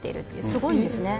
すごいんですね。